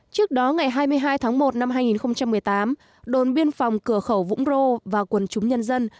trước đó ngày hai mươi hai tháng một năm hai nghìn một mươi tám đồn biên phòng cửa khẩu vũng rô và quần chúng nhân dân